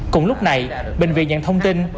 cùng lúc này bệnh viện nhận thông tin